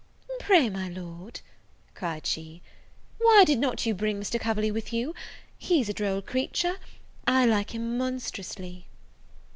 "Pray my Lord," cried she, "why did not you bring Mr. Coverley with you? he's a droll creature; I like him monstrously."